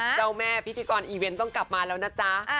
เจ้าแม่พิธีกรอีเวนต์ต้องกลับมาแล้วนะจ๊ะ